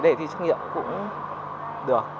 để thi trực nhiệm cũng được